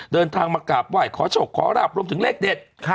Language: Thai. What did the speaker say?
เดินทางมากราบไหว้ขอโชคขอราบรวมถึงเลขเด็ด